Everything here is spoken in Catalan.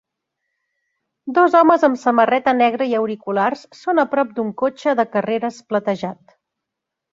Dos homes amb samarreta negra i auriculars són a prop d'un cotxe de carreres platejat.